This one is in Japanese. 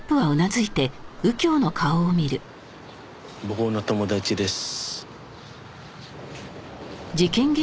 僕の友達です。